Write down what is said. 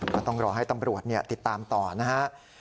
ก็ต้องรอให้ตำรวจเนี่ยติดตามต่อนะฮะ